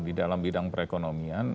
di dalam bidang perekonomian